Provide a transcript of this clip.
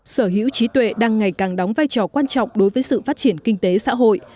sở hữu trí tuệ đang ngày càng đóng vai trò quan trọng đối với sự phát triển kinh tế xã hội